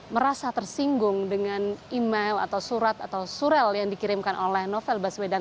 merasa tersinggung dengan email atau surat atau surel yang dikirimkan oleh novel baswedan